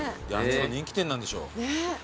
人気店なんでしょう。